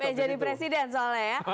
pak yudi jadi presiden soalnya ya